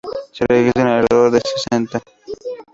Se registran alrededor de sesenta.